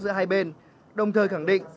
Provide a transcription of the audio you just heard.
giữa hai bên đồng thời khẳng định